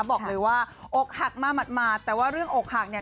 บอกเลยว่าอกหักมาหมาดแต่ว่าเรื่องอกหักเนี่ย